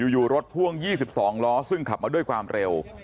อยู่รถพ่วงยี่สิบสองล้อซึ่งขับมาด้วยความเร็ว